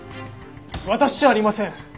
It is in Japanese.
私じゃありません。